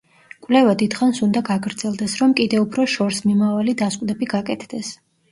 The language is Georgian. კვლევა დიდხანს უნდა გაგრძელდეს, რომ კიდევ უფრო შორსმიმავალი დასკვნები გაკეთდეს.